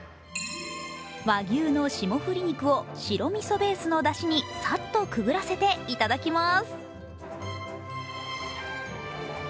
和牛の霜降り肉を白みそベースのだしにさっとくぐらせて、いただきます。